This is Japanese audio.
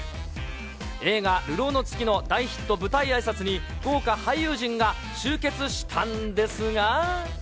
映画、流浪の月の大ヒット舞台あいさつに、豪華俳優陣が集結したんですが。